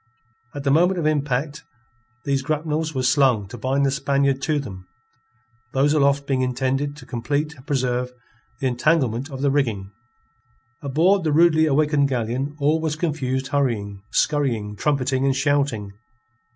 At the moment of impact these grapnels were slung to bind the Spaniard to them, those aloft being intended to complete and preserve the entanglement of the rigging. Aboard the rudely awakened galleon all was confused hurrying, scurrying, trumpeting, and shouting.